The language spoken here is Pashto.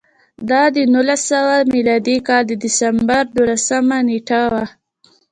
دا د نولس سوه میلادي کال د ډسمبر دولسمه نېټه وه